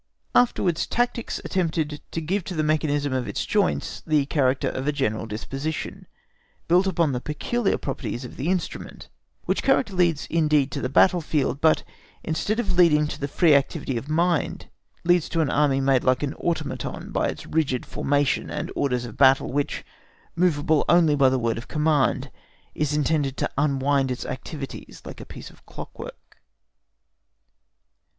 Afterwards tactics attempted to give to the mechanism of its joints the character of a general disposition, built upon the peculiar properties of the instrument, which character leads indeed to the battle field, but instead of leading to the free activity of mind, leads to an Army made like an automaton by its rigid formations and orders of battle, which, movable only by the word of command, is intended to unwind its activities like a piece of clockwork.